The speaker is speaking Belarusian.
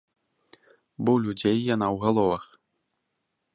Бо ў людзей яна ў галовах.